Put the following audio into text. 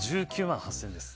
１９万８０００円です。